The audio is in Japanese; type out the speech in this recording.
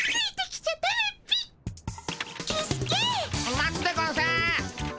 待つでゴンス。